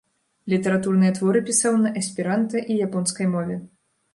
Літаратурныя творы пісаў на эсперанта і японскай мове.